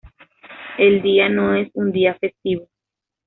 El día no es un día festivo.